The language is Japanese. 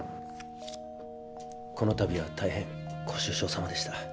この度はたいへんご愁傷さまでした。